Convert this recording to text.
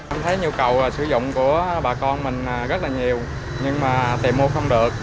em thấy nhu cầu sử dụng của bà con mình rất là nhiều nhưng mà tìm mua không được